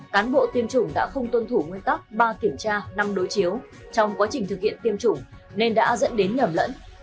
cán bộ tiêm chủng đã không tuân thủ nguyên tắc ba kiểm tra năm đối chiếu trong quá trình thực hiện tiêm chủng nên đã dẫn đến nhầm lẫn